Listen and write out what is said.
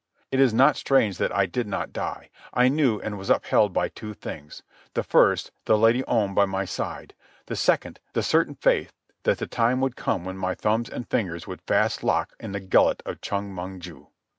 It is not strange that I did not die. I knew and was upheld by two things: the first, the Lady Om by my side; the second, the certain faith that the time would come when my thumbs and fingers would fast lock in the gullet of Chong Mong ju.